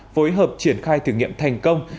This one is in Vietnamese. phối hợp triển khai thử nghiệm thành công